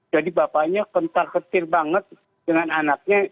jadi bapaknya kental ketir banget dengan anaknya